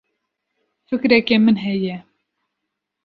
Fikreke min heye.